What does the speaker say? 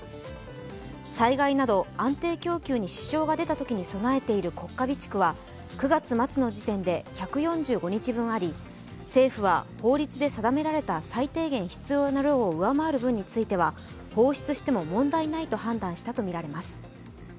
災害など安定供給に支障が出たときに備えている国家備蓄は９月末の時点で１４５日分あり政府は法律で定められた最低限必要な量を上回るものについては放出しても問題ないと判断したとみられます。